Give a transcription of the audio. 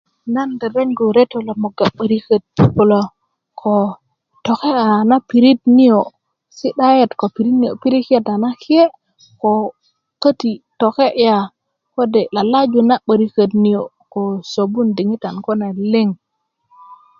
nan reregu retó ló moga 'barikät kuló kó tokelará na pirit niyó sidäyet ko pirit niyó pirikiyet na kiye ko käti lalajú na 'barikät niyo ko sobun diŋitan kune ling